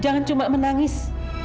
jangan cuma menangis